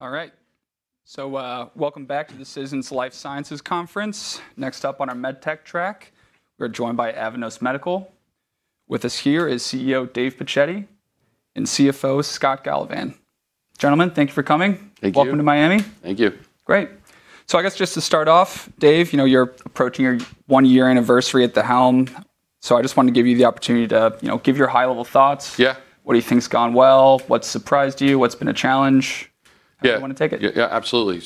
All right. Welcome back to the Citizens Life Sciences Conference. Next up on our med tech track, we're joined by Avanos Medical. With us here is CEO David Pacitti and CFO Scott Galovish. Gentlemen, thank you for coming. Thank you. Welcome to Miami. Thank you. Great. I guess just to start off, Dave, you know, you're approaching your 1-year anniversary at the helm, so I just want to give you the opportunity to, you know, give your high-level thoughts. Yeah. What do you think has gone well? What's surprised you? What's been a challenge? Yeah. How do you want to take it? Yeah, yeah, absolutely.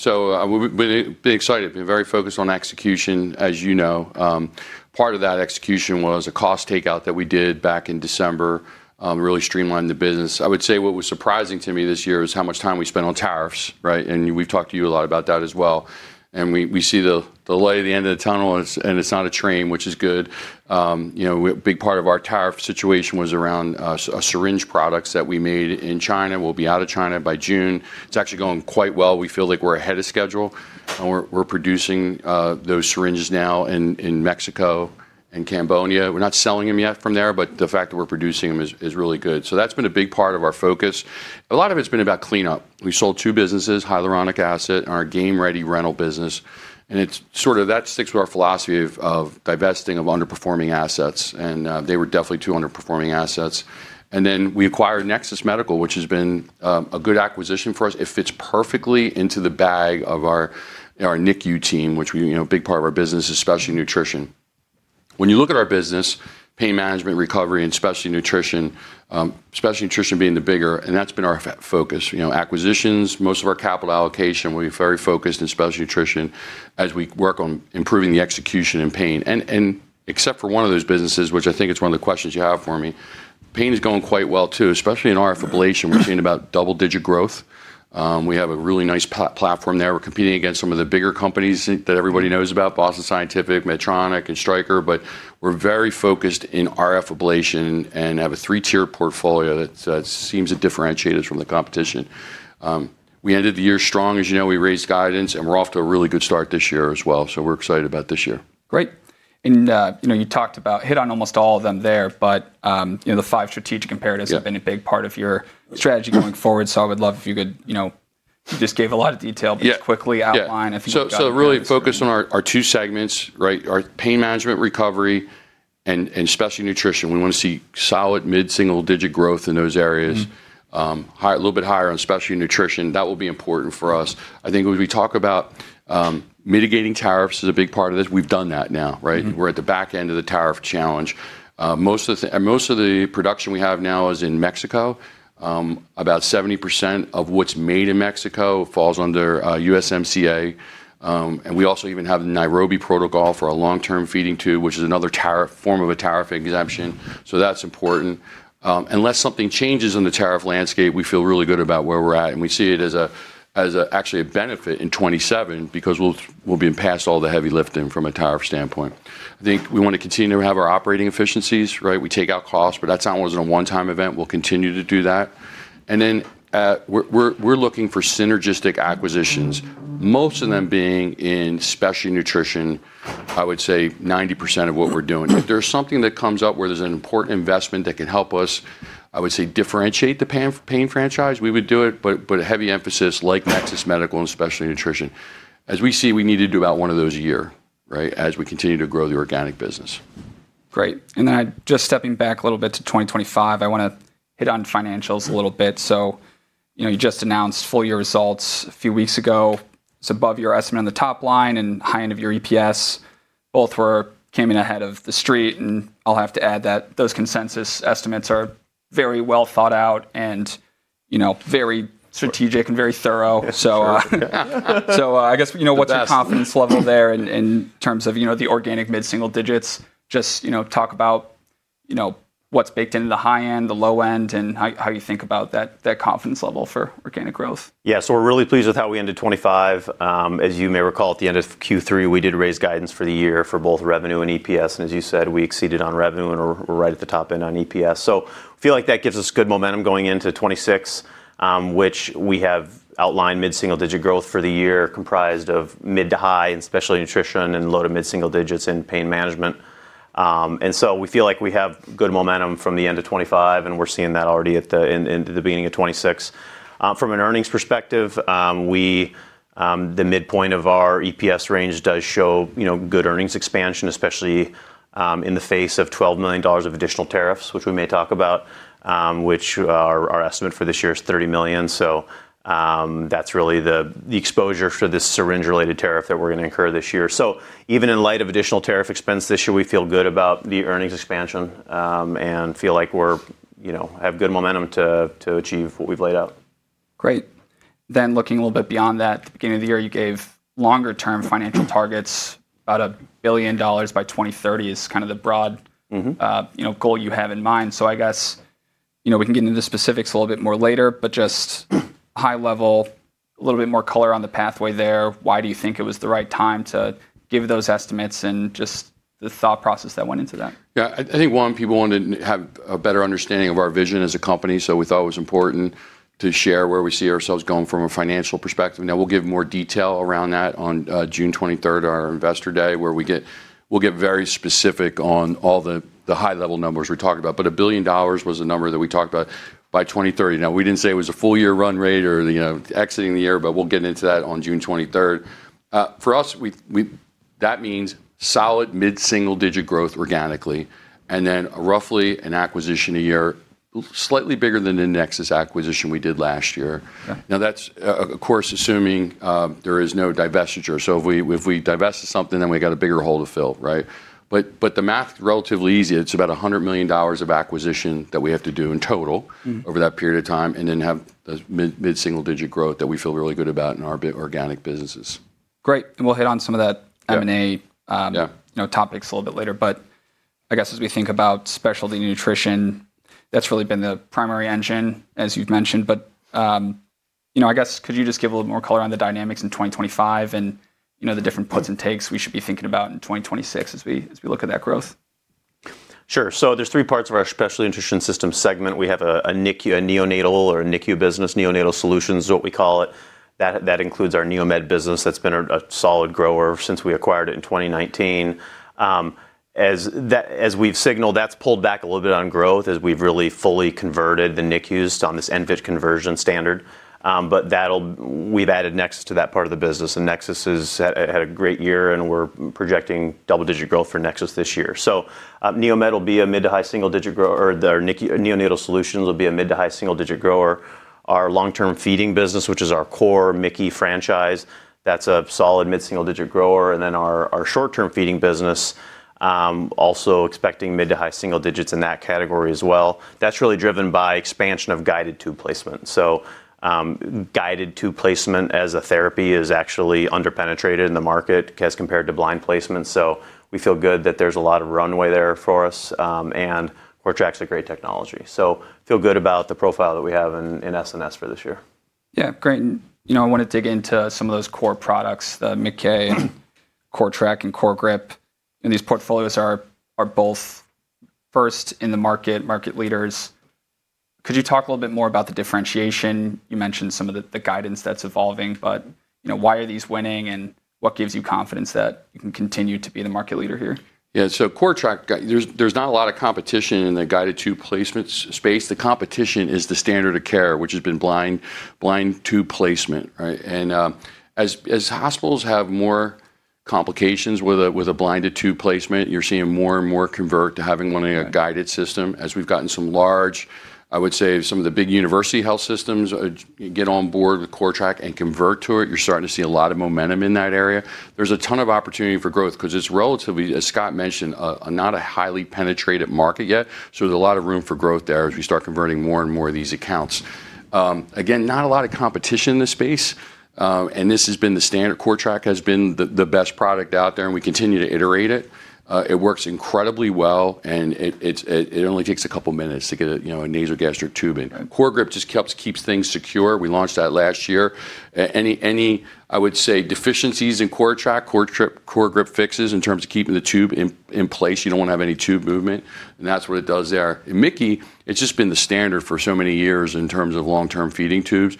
We've been excited, been very focused on execution, as you know. Part of that execution was a cost takeout that we did back in December, really streamlined the business. I would say what was surprising to me this year is how much time we spent on tariffs, right? We've talked to you a lot about that as well. We see the light at the end of the tunnel and it's not a train, which is good. You know, a big part of our tariff situation was around syringe products that we made in China. We'll be out of China by June. It's actually going quite well. We feel like we're ahead of schedule, and we're producing those syringes now in Mexico and Cambodia. We're not selling them yet from there, but the fact that we're producing them is really good. That's been a big part of our focus. A lot of it's been about cleanup. We sold two businesses, hyaluronic acid and our Game Ready rental business, and it's sort of that sticks to our philosophy of divesting of underperforming assets, and they were definitely two underperforming assets. We acquired Nexus Medical, which has been a good acquisition for us. It fits perfectly into the back of our NICU team, which, you know, a big part of our business is specialty nutrition. When you look at our business, Pain Management & Recovery, and Specialty Nutrition, Specialty Nutrition being the bigger, and that's been our focus. You know, acquisitions, most of our capital allocation will be very focused in Specialty Nutrition as we work on improving the execution and Pain. Except for one of those businesses, which I think it's one of the questions you have for me, Pain is going quite well too, especially in RF ablation. We've seen about double-digit growth. We have a really nice platform there. We're competing against some of the bigger companies that everybody knows about, Boston Scientific, Medtronic, and Stryker. We're very focused in RF ablation and have a three-tier portfolio that seems to differentiate us from the competition. We ended the year strong. As you know, we raised guidance, and we're off to a really good start this year as well. We're excited about this year. Great. You know, hit on almost all of them there. You know, the five strategic imperatives. Yeah have been a big part of your strategy going forward. I would love if you could, you know, just gave a lot of detail. Yeah Just quickly outline if you've got. really focusing on our two segments, right? Our Pain Management & Recovery and Specialty Nutrition. We want to see solid mid-single-digit growth in those areas. Mm-hmm. A little bit higher on Specialty Nutrition. That will be important for us. I think when we talk about mitigating tariffs is a big part of this. We've done that now, right? Mm-hmm. We're at the back end of the tariff challenge. Most of the production we have now is in Mexico. About 70% of what's made in Mexico falls under USMCA. We also even have Nairobi Protocol for our long-term feeding tube, which is another form of a tariff exemption, so that's important. Unless something changes in the tariff landscape, we feel really good about where we're at, and we see it as actually a benefit in 2027 because we'll be past all the heavy lifting from a tariff standpoint. I think we wanna continue to have our operating efficiencies, right? We take out costs, but that wasn't a one-time event. We'll continue to do that. We're looking for synergistic acquisitions, most of them being in specialty nutrition, I would say 90% of what we're doing. If there's something that comes up where there's an important investment that can help us, I would say differentiate the pain franchise, we would do it. A heavy emphasis like Nexus Medical and specialty nutrition. As we see, we need to do about one of those a year, right, as we continue to grow the organic business. Great. Then just stepping back a little bit to 2025, I wanna hit on financials a little bit. You know, you just announced full year results a few weeks ago. It's above your estimate on the top line and high end of your EPS. Came in ahead of the street. I'll have to add that those consensus estimates are very well thought out and, you know, very strategic and very thorough. That's true. I guess, you know. The best. What's your confidence level there in terms of, you know, the organic mid-single digits? Just, you know, talk about, you know, what's baked into the high end, the low end, and how you think about that confidence level for organic growth. Yeah. We're really pleased with how we ended 2025. As you may recall, at the end of Q3, we did raise guidance for the year for both revenue and EPS. As you said, we exceeded on revenue and we're right at the top end on EPS. We feel like that gives us good momentum going into 2026, which we have outlined mid-single-digit growth for the year comprised of mid- to high in Specialty Nutrition and low- to mid-single digits in Pain Management. We feel like we have good momentum from the end of 2025, and we're seeing that already in the beginning of 2026. From an earnings perspective, the midpoint of our EPS range does show, you know, good earnings expansion, especially in the face of $12 million of additional tariffs, which we may talk about, which our estimate for this year is $30 million. That's really the exposure for this syringe-related tariff that we're gonna incur this year. Even in light of additional tariff expense this year, we feel good about the earnings expansion and feel like we're, you know, have good momentum to achieve what we've laid out. Great. Looking a little bit beyond that, at the beginning of the year, you gave longer term financial targets. About $1 billion by 2030 is kind of the broad- Mm-hmm... you know, goal you have in mind. I guess, you know, we can get into the specifics a little bit more later, but just high level, a little bit more color on the pathway there. Why do you think it was the right time to give those estimates and just the thought process that went into that? Yeah. I think one, people wanted to have a better understanding of our vision as a company, so we thought it was important to share where we see ourselves going from a financial perspective. Now, we'll give more detail around that on June twenty-third, our investor day, where we'll get very specific on all the high level numbers we talked about. $1 billion was a number that we talked about by 2030. Now, we didn't say it was a full year run rate or exiting the year, but we'll get into that on June twenty-third. For us, that means solid mid-single-digit% growth organically, and then roughly an acquisition a year slightly bigger than the Nexus acquisition we did last year. Okay. Now that's, of course, assuming there is no divestiture. If we divest something, then we got a bigger hole to fill, right? The math is relatively easy. It's about $100 million of acquisition that we have to do in total. Mm-hmm. over that period of time, and then have those mid-single-digit growth that we feel really good about in our organic businesses. Great. We'll hit on some of that M&A. Yeah. you know, topics a little bit later. I guess, as we think about specialty nutrition, that's really been the primary engine as you've mentioned. You know, I guess could you just give a little more color on the dynamics in 2025 and, you know, the different puts and takes we should be thinking about in 2026 as we look at that growth? Sure. There's three parts of our Specialty Nutrition Systems segment. We have a NICU, a neonatal or NICU business. Neonatal Solutions is what we call it. That includes our NeoMed business that's been a solid grower since we acquired it in 2019. As we've signaled, that's pulled back a little bit on growth as we've really fully converted the NICUs on this ENFit conversion standard. We've added Nexus to that part of the business, and Nexus has had a great year, and we're projecting double-digit growth for Nexus this year. NeoMed will be a mid- to high-single-digit grower, or Neonatal Solutions will be a mid- to high-single-digit grower. Our long-term feeding business, which is our core MIC-KEY franchise, that's a solid mid-single-digit grower. Our short-term feeding business also expecting mid- to high-single digits in that category as well. That's really driven by expansion of guided tube placement. Guided tube placement as a therapy is actually under-penetrated in the market as compared to blind placement. We feel good that there's a lot of runway there for us, and CORTRAK's a great technology. Feel good about the profile that we have in SNS for this year. Yeah. Great. You know, I wanna dig into some of those core products, the MIC-KEY, CORTRAK and CORGRIP, and these portfolios are both first in the market leaders. Could you talk a little bit more about the differentiation? You mentioned some of the guidance that's evolving, but, you know, why are these winning and what gives you confidence that you can continue to be the market leader here? Yeah. CORTRAK, there's not a lot of competition in the guided tube placement space. The competition is the standard of care, which has been blind tube placement, right? As hospitals have more complications with a blinded tube placement, you're seeing more and more convert to having one in a guided system. As we've gotten some large, I would say some of the big university health systems, get on board with CORTRAK and convert to it, you're starting to see a lot of momentum in that area. There's a ton of opportunity for growth 'cause it's relatively, as Scott mentioned, not a highly penetrative market yet, so there's a lot of room for growth there as we start converting more and more of these accounts. Again, not a lot of competition in this space, and this has been the standard. CORTRAK has been the best product out there, and we continue to iterate it. It works incredibly well and it only takes a couple of minutes to get a, you know, a nasogastric tube in. Right. CORGRIP just helps keeps things secure. We launched that last year. I would say deficiencies in CORTRAK, CoreGrip, CORGRIP fixes in terms of keeping the tube in place. You don't wanna have any tube movement, and that's what it does there. MIC-KEY, it's just been the standard for so many years in terms of long-term feeding tubes.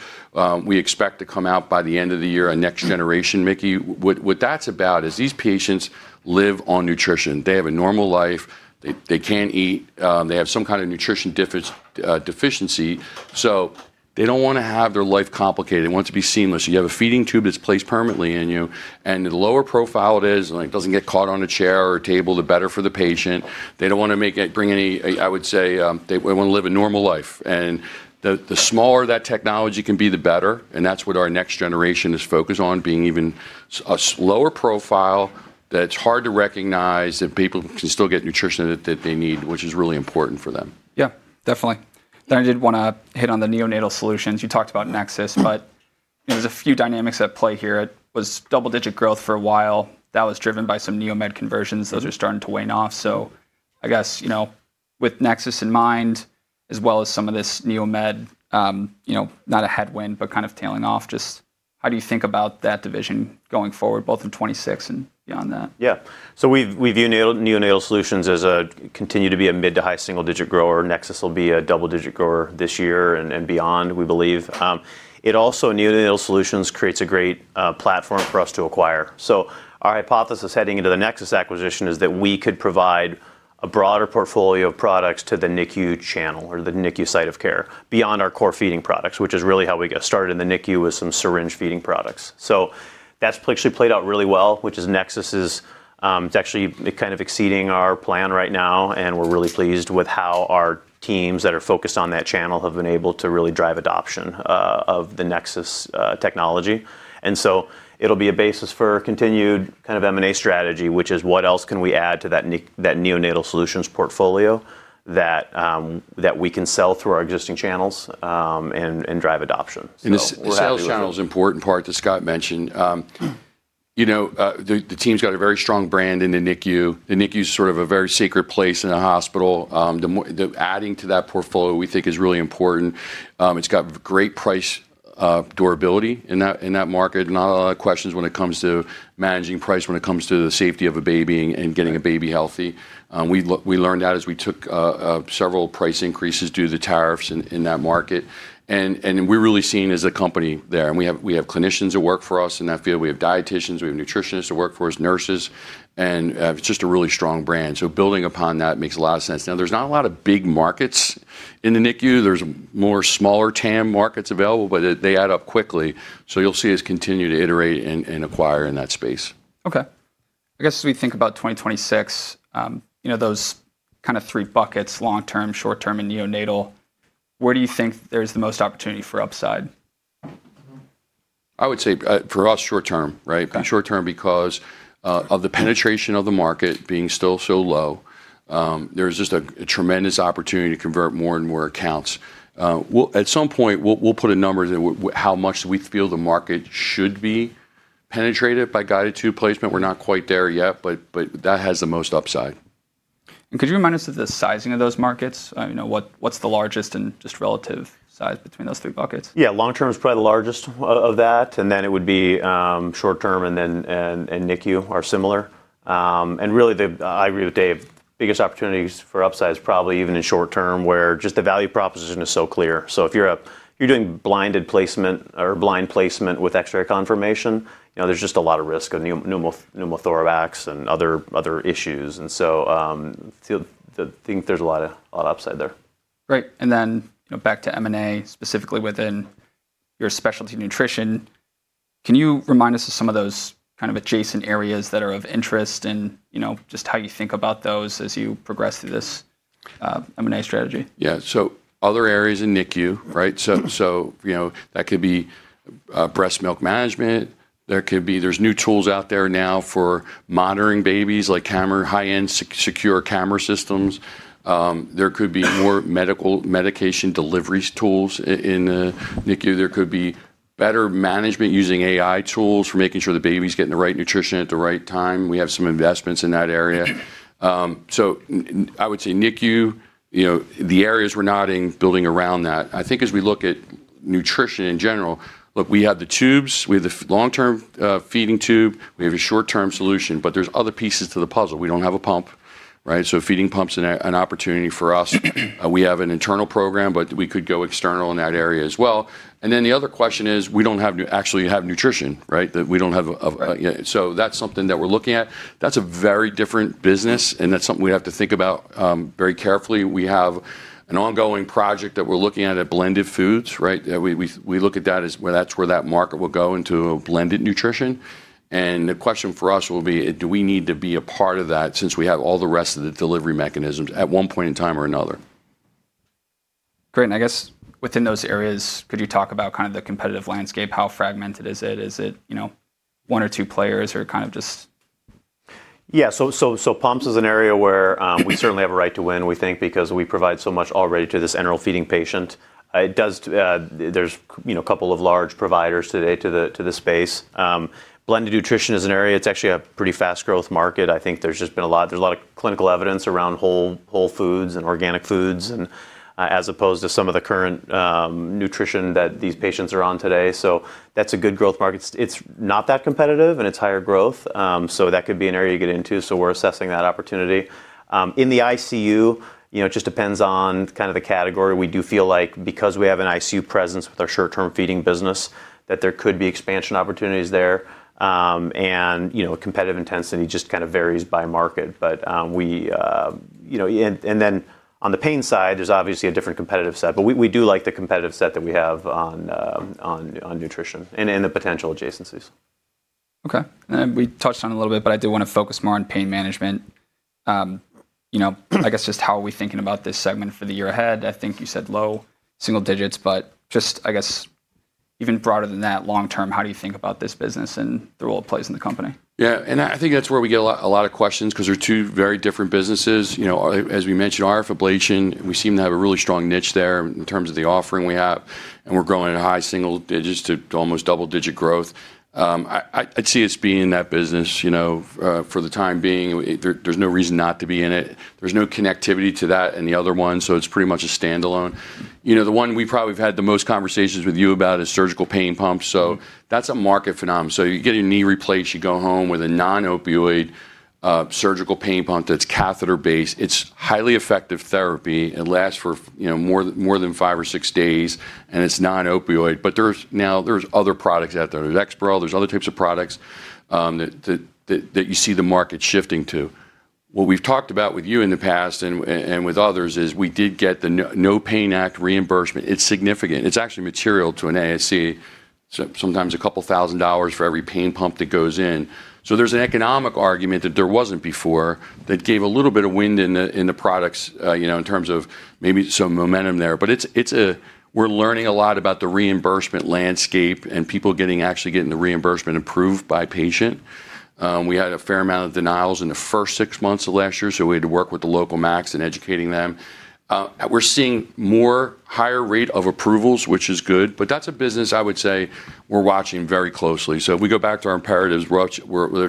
We expect to come out by the end of the year, a next generation MIC-KEY. What that's about is these patients live on nutrition. They have a normal life. They can't eat. They have some kind of nutrition deficiency, so they don't wanna have their life complicated. They want it to be seamless. You have a feeding tube that's placed permanently in you, and the lower profile it is, like, doesn't get caught on a chair or a table, the better for the patient. They don't wanna bring any, I would say. They wanna live a normal life. The smaller that technology can be, the better, and that's what our next generation is focused on, being even smaller profile that's hard to recognize, that people can still get nutrition that they need, which is really important for them. Yeah. Definitely. I did wanna hit on the Neonatal Solutions. You talked about Nexus, but there's a few dynamics at play here. It was double-digit growth for a while. That was driven by some NeoMed conversions. Those are starting to wane off. I guess, you know, with Nexus in mind as well as some of this NeoMed, you know, not a headwind, but kind of tailing off, just how do you think about that division going forward, both in 2026 and beyond that? Yeah. We view Neonatal Solutions as continue to be a mid to high single digit grower. Nexus will be a double digit grower this year and beyond, we believe. It also, Neonatal Solutions, creates a great platform for us to acquire. Our hypothesis heading into the Nexus acquisition is that we could provide a broader portfolio of products to the NICU channel or the NICU site of care beyond our core feeding products, which is really how we got started in the NICU with some syringe feeding products. That's actually played out really well, which is, Nexus is actually kind of exceeding our plan right now, and we're really pleased with how our teams that are focused on that channel have been able to really drive adoption of the Nexus technology. It'll be a basis for continued kind of M&A strategy, which is what else can we add to that Neonatal Solutions portfolio that we can sell through our existing channels, and drive adoption. We're happy with it. The sales channel's an important part that Scott mentioned. You know, the team's got a very strong brand in the NICU. The NICU is sort of a very sacred place in the hospital. The adding to that portfolio, we think is really important. It's got great price, durability in that market. Not a lot of questions when it comes to managing price, when it comes to the safety of a baby and getting a baby healthy. We learned that as we took several price increases due to the tariffs in that market. We're really seen as a company there, and we have clinicians that work for us in that field. We have dieticians, nutritionists that work for us, nurses. It's just a really strong brand. Building upon that makes a lot of sense. Now, there's not a lot of big markets in the NICU. There's more smaller TAM markets available, but they add up quickly. You'll see us continue to iterate and acquire in that space. Okay. I guess as we think about 2026, you know, those kind of three buckets, long term, short term, and neonatal, where do you think there's the most opportunity for upside? I would say, for us, short term, right? Okay. Short-term because of the penetration of the market being still so low. There's just a tremendous opportunity to convert more and more accounts. At some point, we'll put a number to how much we feel the market should be penetrated by guided tube placement. We're not quite there yet, but that has the most upside. Could you remind us of the sizing of those markets? You know, what's the largest and just relative size between those three buckets? Yeah. Long term is probably the largest of that, and then it would be short term and NICU are similar. Really, I agree with Dave. Biggest opportunities for upside is probably even in short term, where just the value proposition is so clear. If you're doing blinded placement or blind placement with X-ray confirmation, you know, there's just a lot of risk of pneumothorax and other issues. I think there's a lot of upside there. Right. You know, back to M&A, specifically within your specialty nutrition, can you remind us of some of those kind of adjacent areas that are of interest and, you know, just how you think about those as you progress through this M&A strategy? Other areas in NICU, right? You know, that could be breast milk management. There's new tools out there now for monitoring babies, like high-end secure camera systems. There could be more medication delivery tools in the NICU. There could be better management using AI tools for making sure the baby's getting the right nutrition at the right time. We have some investments in that area. I would say NICU, you know, the areas we're focusing, building around that. I think as we look at nutrition in general, we have the tubes, we have the long-term feeding tube, we have a short-term solution, but there's other pieces to the puzzle. We don't have a pump, right? A feeding pump's an opportunity for us. We have an internal program, but we could go external in that area as well. The other question is, we don't actually have nutrition, right? So that's something that we're looking at. That's a very different business, and that's something we have to think about very carefully. We have an ongoing project that we're looking at blended foods, right? We look at that as that's where that market will go, into a blended nutrition. The question for us will be, do we need to be a part of that since we have all the rest of the delivery mechanisms at one point in time or another? Great. I guess within those areas, could you talk about kind of the competitive landscape? How fragmented is it? Is it, you know, one or two players or kind of just? Pumps is an area where we certainly have a right to win, we think, because we provide so much already to this enteral feeding patient. It does, there's a couple of large providers today to the space. Blended nutrition is an area, it's actually a pretty fast growth market. I think there's just been a lot, there's a lot of clinical evidence around whole foods and organic foods and as opposed to some of the current nutrition that these patients are on today. That's a good growth market. It's not that competitive, and it's higher growth, that could be an area to get into. We're assessing that opportunity. In the ICU, it just depends on kind of the category. We do feel like because we have an ICU presence with our short-term feeding business, that there could be expansion opportunities there. You know, competitive intensity just kind of varies by market. You know, yeah. Then on the pain side, there's obviously a different competitive set, but we do like the competitive set that we have on nutrition and the potential adjacencies. Okay. We touched on it a little bit, but I do wanna focus more on pain management. You know, I guess just how are we thinking about this segment for the year ahead? I think you said low single digits, but just, I guess, even broader than that, long term, how do you think about this business and the role it plays in the company? Yeah. I think that's where we get a lot of questions because they're two very different businesses. You know, as we mentioned, RF ablation, we seem to have a really strong niche there in terms of the offering we have, and we're growing at a high single digits to almost double-digit growth. I'd see us being in that business, you know, for the time being. There's no reason not to be in it. There's no connectivity to that and the other one, so it's pretty much a standalone. You know, the one we probably have had the most conversations with you about is surgical pain pumps, so that's a market phenomenon. You get a knee replaced, you go home with a non-opioid surgical pain pump that's catheter-based. It's highly effective therapy. It lasts for, you know, more than five or six days, and it's non-opioid. There's now other products out there. There's Exparel, there's other types of products that you see the market shifting to. What we've talked about with you in the past and with others is we did get the NOPAIN Act reimbursement. It's significant. It's actually material to an ASC, sometimes a couple thousand dollars for every pain pump that goes in. There's an economic argument that there wasn't before that gave a little bit of wind in the products, you know, in terms of maybe some momentum there. We're learning a lot about the reimbursement landscape and people actually getting the reimbursement approved by payers. We had a fair amount of denials in the first six months of last year, so we had to work with the local MACs in educating them. We're seeing a higher rate of approvals, which is good, but that's a business I would say we're watching very closely. If we go back to our imperatives, which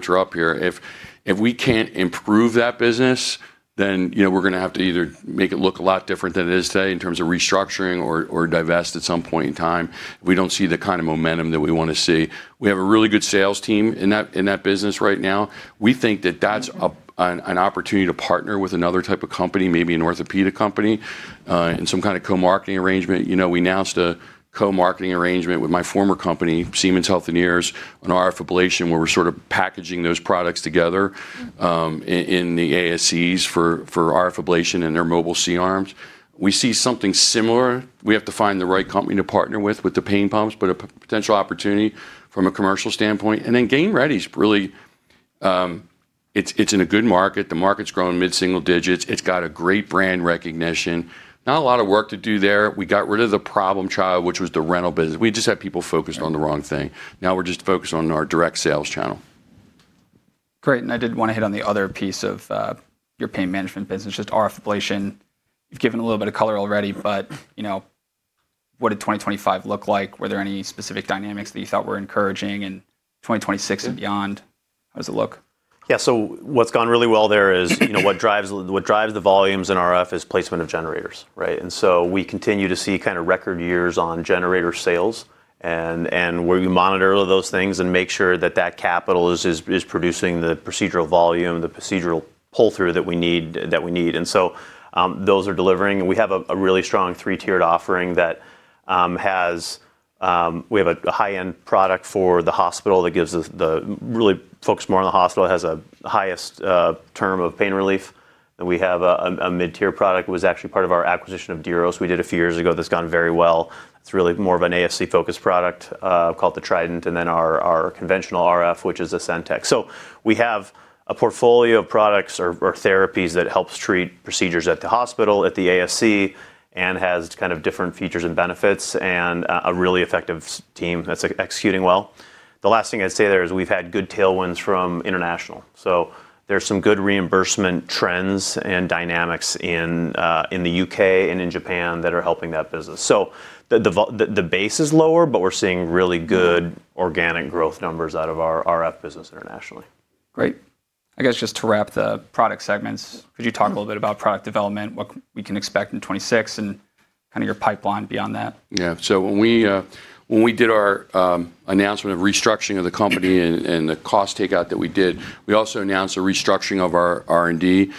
are up here, if we can't improve that business, then you know we're gonna have to either make it look a lot different than it is today in terms of restructuring or divest at some point in time if we don't see the kind of momentum that we wanna see. We have a really good sales team in that business right now. We think that that's an opportunity to partner with another type of company, maybe an orthopedic company, and some kind of co-marketing arrangement. You know, we announced a co-marketing arrangement with my former company, Siemens Healthineers, on RF ablation, where we're sort of packaging those products together, in the ASCs for RF ablation and their mobile C-arms. We see something similar. We have to find the right company to partner with the pain pumps, but a potential opportunity from a commercial standpoint. Game Ready is in a good market. The market's growing mid-single digits. It's got a great brand recognition. Not a lot of work to do there. We got rid of the problem child, which was the rental business. We just had people focused on the wrong thing. Now we're just focused on our direct sales channel. Great. I did wanna hit on the other piece of your pain management business, just RF ablation. You've given a little bit of color already, but, you know, what did 2025 look like? Were there any specific dynamics that you thought were encouraging in 2026 and beyond? How does it look? Yeah. What's gone really well there is you know, what drives the volumes in RF is placement of generators, right? We continue to see kinda record years on generator sales and we monitor those things and make sure that that capital is producing the procedural volume, the procedural pull-through that we need. Those are delivering. We have a really strong three-tiered offering that has. We have a high-end product for the hospital that gives us the really focused more on the hospital. It has a highest term of pain relief. We have a mid-tier product. It was actually part of our acquisition of Diros we did a few years ago that's gone very well. It's really more of an ASC-focused product called the Trident. Our conventional RF, which is Ascenx. We have a portfolio of products or therapies that helps treat procedures at the hospital, at the ASC, and has kind of different features and benefits and a really effective team that's executing well. The last thing I'd say there is we've had good tailwinds from international. There's some good reimbursement trends and dynamics in the UK and in Japan that are helping that business. The base is lower, but we're seeing really good organic growth numbers out of our RF business internationally. Great. I guess just to wrap the product segments, could you talk a little bit about product development, what we can expect in 2026, and kind of your pipeline beyond that? Yeah. When we did our announcement of restructuring of the company and the cost takeout that we did, we also announced a restructuring of our R&D.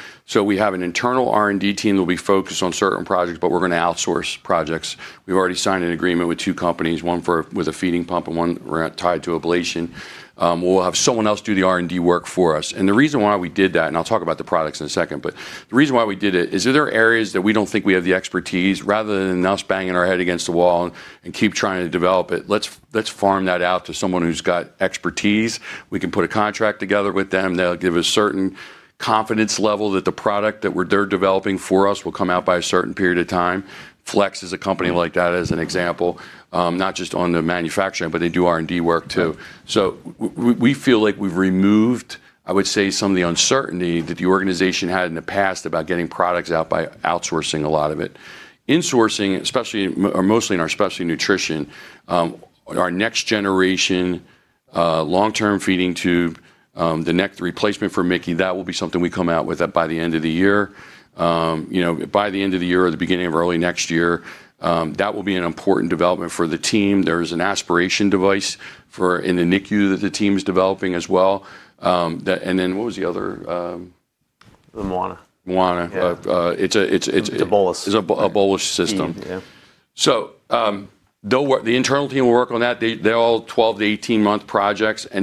We have an internal R&D team that'll be focused on certain projects, but we're gonna outsource projects. We've already signed an agreement with two companies, one with a feeding pump and one tied to ablation. We'll have someone else do the R&D work for us. The reason why we did that, and I'll talk about the products in a second, but the reason why we did it is if there are areas that we don't think we have the expertise, rather than us banging our head against the wall and keep trying to develop it, let's farm that out to someone who's got expertise. We can put a contract together with them. They'll give a certain confidence level that the product that they're developing for us will come out by a certain period of time. Flex is a company like that as an example, not just on the manufacturing, but they do R&D work too. We feel like we've removed, I would say, some of the uncertainty that the organization had in the past about getting products out by outsourcing a lot of it. Insourcing, especially or mostly in our Specialty Nutrition, our next generation, long-term feeding tube, the replacement for MIC-KEY, that will be something we come out with by the end of the year. You know, by the end of the year or the beginning of early next year, that will be an important development for the team. There's an aspiration device for in the NICU that the team's developing as well. What was the other? The Moana. Moana. Yeah. It's. It's a bolus. It's a bolus system. Yeah. The internal team will work on that. They're all 12- to 18-month projects. On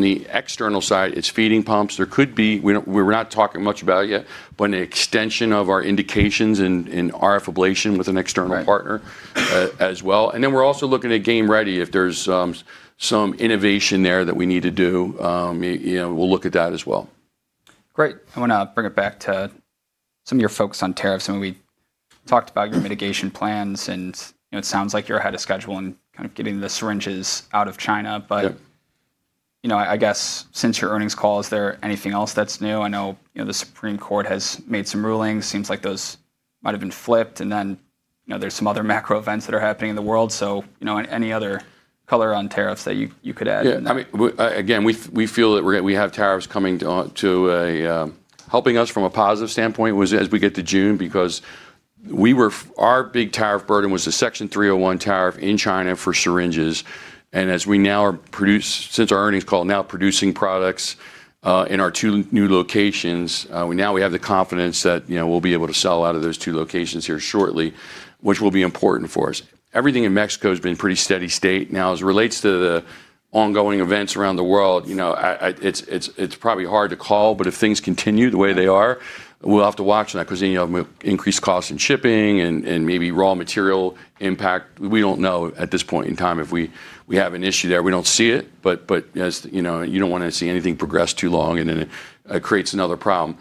the external side, it's feeding pumps. There could be. We're not talking much about it yet, but an extension of our indications in RF ablation with an external partner. Right as well. We're also looking at Game Ready, if there's some innovation there that we need to do, you know, we'll look at that as well. Great. I wanna bring it back to some of your focus on tariffs. I mean, we talked about your mitigation plans, and, you know, it sounds like you're ahead of schedule in kind of getting the syringes out of China. Yep. You know, I guess since your earnings call, is there anything else that's new? I know, you know, the Supreme Court has made some rulings, seems like those might have been flipped. You know, there's some other macro events that are happening in the world. You know, any other color on tariffs that you could add? Yeah. I mean, again, we feel that we have tariffs coming to a helping us from a positive standpoint as we get to June because our big tariff burden was the Section 301 tariff in China for syringes. As we now are since our earnings call, now producing products in our 2 new locations, now we have the confidence that, you know, we'll be able to sell out of those 2 locations here shortly, which will be important for us. Everything in Mexico has been pretty steady state. Now, as it relates to the ongoing events around the world, you know, it's probably hard to call, but if things continue the way they are, we'll have to watch that because, you know, we have increased costs in shipping and maybe raw material impact. We don't know at this point in time if we have an issue there. We don't see it, but as you know, you don't wanna see anything progress too long, and then it creates another problem.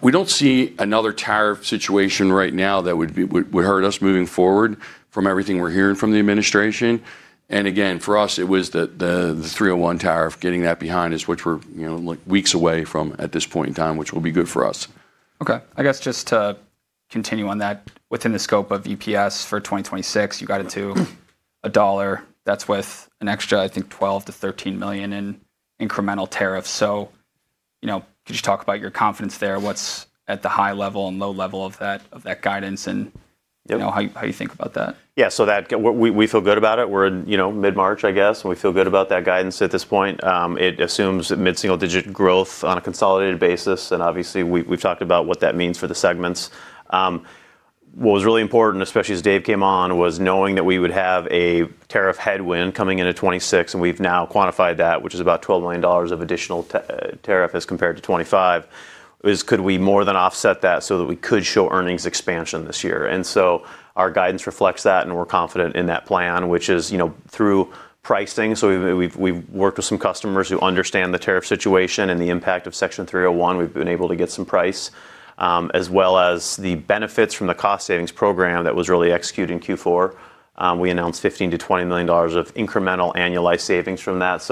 We don't see another tariff situation right now that would hurt us moving forward from everything we're hearing from the administration. Again, for us, it was the 301 tariff, getting that behind us, which we're, you know, like, weeks away from at this point in time, which will be good for us. Okay. I guess just to continue on that, within the scope of EPS for 2026, you got it to $1. That's with an extra, I think, $12 million-$13 million in incremental tariffs. You know, could you talk about your confidence there? What's at the high level and low level of that guidance? Yep You know, how you think about that? We feel good about it. We're in, you know, mid-March, I guess, and we feel good about that guidance at this point. It assumes mid-single digit growth on a consolidated basis, and obviously we've talked about what that means for the segments. What was really important, especially as Dave came on, was knowing that we would have a tariff headwind coming into 2026, and we've now quantified that, which is about $12 million of additional tariff as compared to 2025. Yes, could we more than offset that so that we could show earnings expansion this year? Our guidance reflects that, and we're confident in that plan, which is, you know, through pricing. We've worked with some customers who understand the tariff situation and the impact of Section 301. We've been able to get some price, as well as the benefits from the cost savings program that was really executed in Q4. We announced $15 million-$20 million of incremental annualized savings from that.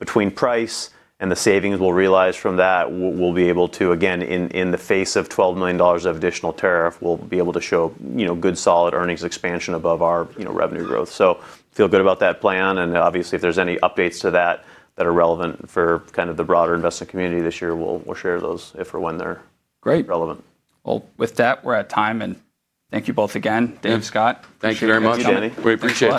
Between price and the savings we'll realize from that, we'll be able to, again, in the face of $12 million of additional tariff, we'll be able to show, you know, good solid earnings expansion above our, you know, revenue growth. Feel good about that plan, and obviously if there's any updates to that that are relevant for kind of the broader investing community this year, we'll share those if or when they're. Great relevant. Well, with that, we're at time, and thank you both again. Dave, Scott. Thank you very much. Thanks for coming. We appreciate it.